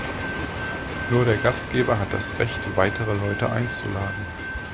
Nur der Gastgeber hat das Recht, weitere Leute einzuladen.